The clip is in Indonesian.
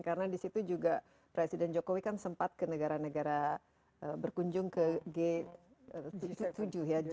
karena di situ juga presiden jokowi kan sempat ke negara negara berkunjung ke g tujuh ya